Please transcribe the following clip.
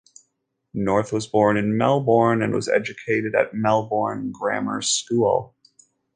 North was born in Melbourne and was educated at Melbourne Grammar School.